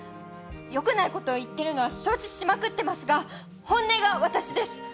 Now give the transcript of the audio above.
よくないことを言っているのは承知しまくってますが本音が私です！